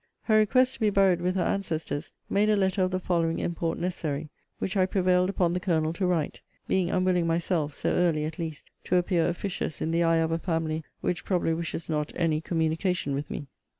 Her request to be buried with her ancestors, made a letter of the following import necessary, which I prevailed upon the Colonel to write; being unwilling myself (so early at least,) to appear officious in the eye of a family which probably wishes not any communication with me.